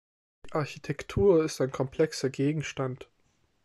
Die Architektur ist ein komplexer Gegenstand.